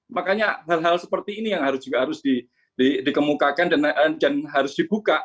makanya hal hal seperti ini yang harus juga harus dikemukakan dan harus dibuka